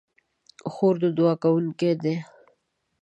خور د دعا کوونکې ده.